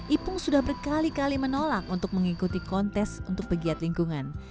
ipung sudah berkali kali menolak untuk mengikuti kontes untuk pegiat lingkungan